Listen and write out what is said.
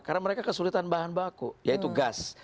karena mereka kesulitan bahan baku yaitu gas